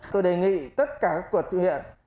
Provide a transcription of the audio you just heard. tôi đề nghị tất cả các quốc tế hiện